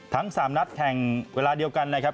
ทั้ง๓นัดแข่งเวลาเดียวกันนะครับ